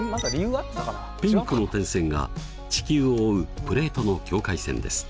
ピンクの点線が地球を覆うプレートの境界線です。